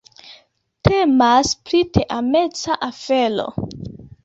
Temas pri teameca afero.